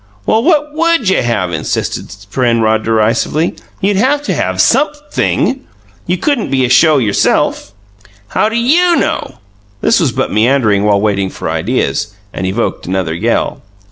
"Well, what WOULD you have?" insisted Penrod derisively. "You'd have to have SUMPTHING you couldn't be a show yourself!" "How do YOU know?" This was but meandering while waiting for ideas, and evoked another yell.